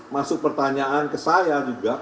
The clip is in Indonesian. masuk pertanyaan ke saya juga